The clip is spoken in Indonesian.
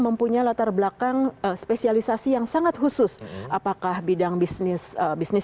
mempunyai latar belakang spesialisasi yang sangat khusus apakah bidang bisnis bisnis